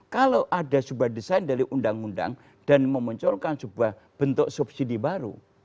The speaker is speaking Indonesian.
kalau ada sebuah desain dari undang undang dan memunculkan sebuah bentuk subsidi baru